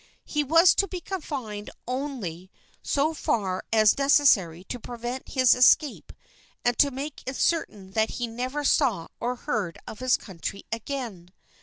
He was to be confined only so far as necessary to prevent his escape and to make it certain that he never saw or heard of his country again.